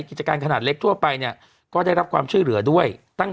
กิจการขนาดเล็กทั่วไปเนี่ยก็ได้รับความช่วยเหลือด้วยตั้ง